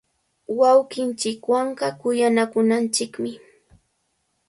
Wawqinchikwanqa kuyanakunanchikmi.